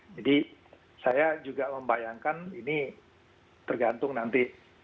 jadi saya juga membayangkan ini tergantung nanti